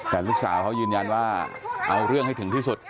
แต่ลูกสาวเขายืนยันว่าเอาเรื่องให้ถึงที่สุด